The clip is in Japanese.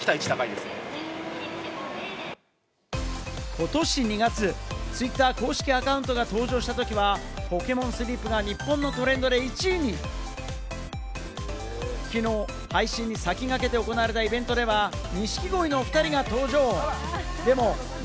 ことし２月、Ｔｗｉｔｔｅｒ公式アカウントが登場したときにはポケモンスリープが日本のトレンドで１位にきのう配信に先駆けて行われたイベントでは、いい汗。